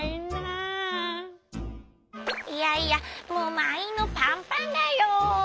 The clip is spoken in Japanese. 「いやいやもうまんいんのパンパンだよ！」。